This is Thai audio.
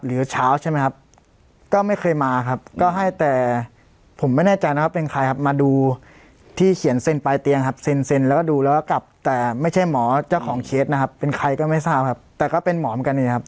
เช้าใช่ไหมครับก็ไม่เคยมาครับก็ให้แต่ผมไม่แน่ใจนะครับเป็นใครครับมาดูที่เขียนเซ็นปลายเตียงครับเซ็นแล้วก็ดูแล้วก็กลับแต่ไม่ใช่หมอเจ้าของเคสนะครับเป็นใครก็ไม่ทราบครับแต่ก็เป็นหมอเหมือนกันเองครับ